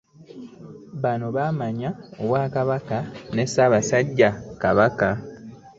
Bano bamanya Obwakabaka ne Ssaabasajja Kabaka